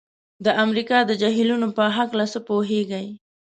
د امریکا د جهیلونو په هلکه څه پوهیږئ؟